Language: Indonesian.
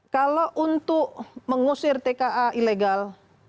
kalau untuk mengusir tka ilegal